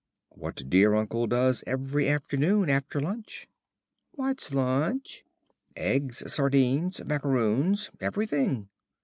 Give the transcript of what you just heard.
"What dear uncle does every afternoon after lunch." "What's lunch?" "Eggs, sardines, macaroons everything."